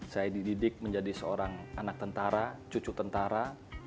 saya dididik menjadi seorang anak tentara cucu tentara